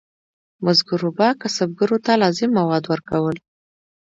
بزګرو به کسبګرو ته لازم مواد ورکول.